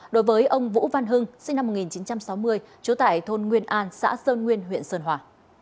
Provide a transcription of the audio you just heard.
đối với ông vũ văn hưng sinh năm một nghìn chín trăm sáu mươi trú tại thôn nguyên an xã sơn nguyên huyện sơn hòa